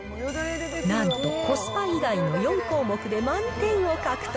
なんと、コスパ以外の４項目で満点を獲得。